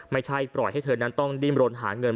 ไม่ใช่ปล่อยให้เธอนั้นต้องดิ้มรนหาเงิน